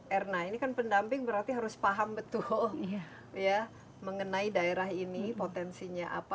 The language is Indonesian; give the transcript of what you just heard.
erna ini kan pendamping berarti harus paham betul ya mengenai daerah ini potensinya apa